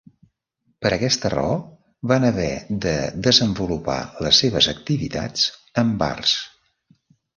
Per aquesta raó, van haver de desenvolupar les seves activitats en bars.